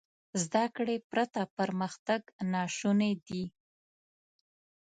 زده کړې پرته پرمختګ ناشونی دی.